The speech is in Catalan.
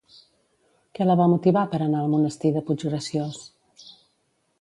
Què la va motivar per anar al monestir de Puiggraciós?